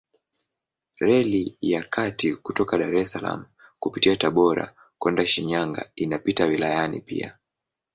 Reli ya kati kutoka Dar es Salaam kupitia Tabora kwenda Shinyanga inapita wilayani pia.